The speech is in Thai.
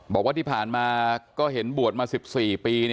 บอกว่าที่ผ่านมาก็เห็นบวชมา๑๔ปี